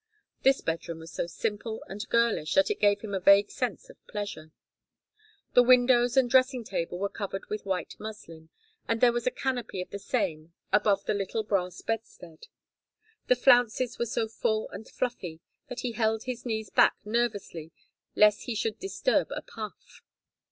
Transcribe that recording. This bedroom was so simple and girlish that it gave him a vague sense of pleasure. The windows and dressing table were covered with white muslin, and there was a canopy of the same above the little brass bedstead. The flounces were so full and fluffy that he held his knees back nervously lest he should disturb a puff.